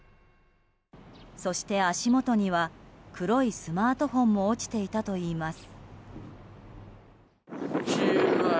そして足元には黒いスマートフォンも落ちていたといいます。